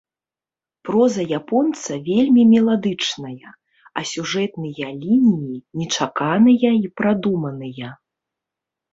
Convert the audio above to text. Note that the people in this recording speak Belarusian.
Проза японца вельмі меладычная, а сюжэтныя лініі нечаканыя і прадуманыя.